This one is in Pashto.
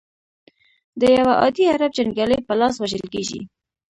د یوه عادي عرب جنګیالي په لاس وژل کیږي.